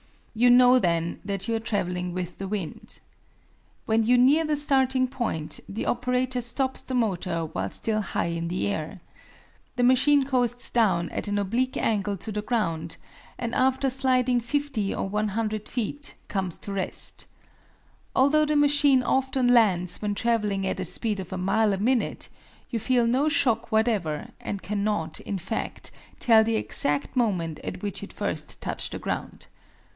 You know then that you are traveling with the wind. When you near the starting point the operator stops the motor while still high in the air. The machine coasts down at an oblique angle to the ground, and after sliding 50 or 100 feet, comes to rest. Although the machine often lands when traveling at a speed of a mile a minute, you feel no shock whatever, and cannot, in fact, tell the exact moment at which it first touched the ground.